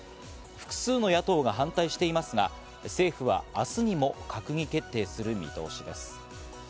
複数の野党が反対していますが、政府は明日にも閣議決定する見通しです。